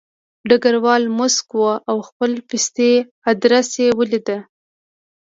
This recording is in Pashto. ډګروال موسک و او خپل پستي ادرس یې ولیکه